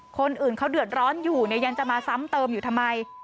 คนอื่นเขาเดือดร้อนอยู่เนี่ยยังจะมาซ้ำเติมอยู่ทำไม